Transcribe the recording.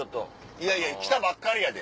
「いやいや来たばっかりやで」。